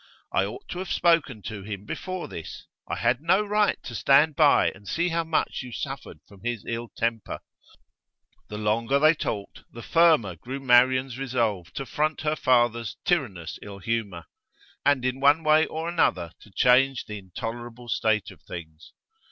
I ought to have spoken to him before this; I had no right to stand by and see how much you suffered from his ill temper.' The longer they talked, the firmer grew Marian's resolve to front her father's tyrannous ill humour, and in one way or another to change the intolerable state of things.